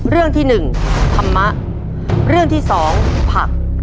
เรื่องที่หนึ่งธรรมะเรื่องที่สองผัก